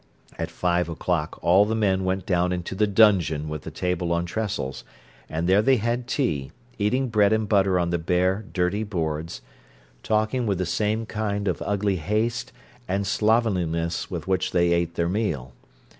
At five o'clock all the men went down into the dungeon with the table on trestles, and there they had tea, eating bread and butter on the bare, dirty boards, talking with the same kind of ugly haste and slovenliness with which they ate their meal.